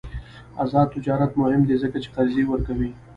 آزاد تجارت مهم دی ځکه چې قرضې ورکوي.